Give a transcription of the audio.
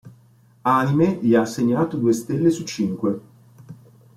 Anime gli ha assegnato due stelle su cinque.